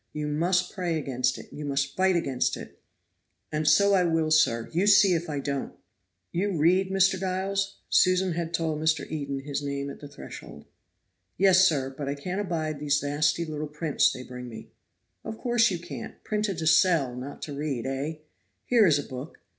You must pray against it you must fight against it." "And so I will, sir; you see if I don't." "You read, Mr. Giles?" Susan had told Mr. Eden his name at the threshold. "Yes, sir; but I can't abide them nasty little prints they bring me." "Of course you can't. Printed to sell, not to read, eh? Here is a book.